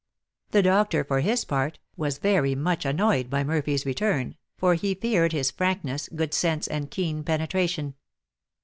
The doctor, for his part, was very much annoyed by Murphy's return, for he feared his frankness, good sense, and keen penetration.